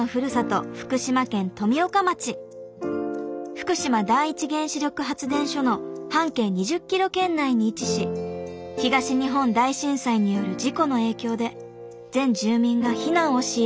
福島第一原子力発電所の半径２０ｋｍ圏内に位置し東日本大震災による事故の影響で全住民が避難を強いられました。